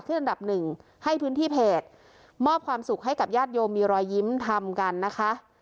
อันดับหนึ่งให้พื้นที่เพจมอบความสุขให้กับญาติโยมมีรอยยิ้มทำกันนะคะ